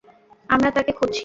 আমরা তাকে খুঁজছি।